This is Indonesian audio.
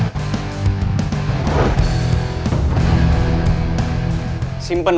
suatu saat kalian pasti butuh